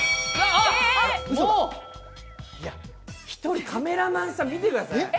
１人、カメラマンさん見てください。